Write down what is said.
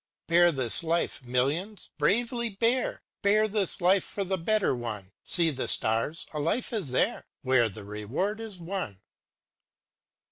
Chorus â Bear this life, millions, bravely bear â Bear this life for the better one! See the stars ! a life is there. Where the reward is won.